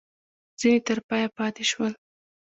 ځیني تر پایه پاته شول.